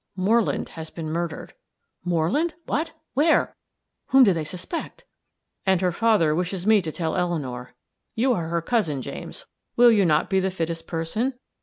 "Moreland has been murdered." "Moreland! What? Where? Whom do they suspect?" "And her father wishes me to tell Eleanor. You are her cousin, James; will you not be the fittest person?"